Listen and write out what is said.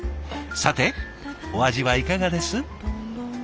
さてお味はいかがです？